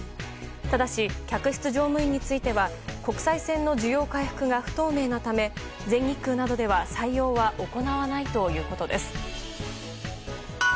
ただし客室乗務員については国際線の需要回復が不透明なため全日空などでは採用は行わないということです。